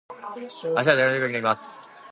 明日は大学の授業を受けに行きます。